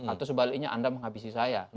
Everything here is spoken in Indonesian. atau sebaliknya anda menghabisi saya